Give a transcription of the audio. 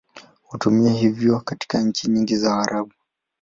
Hutumiwa hivyo katika nchi nyingi za Waarabu.